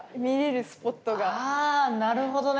あなるほどね。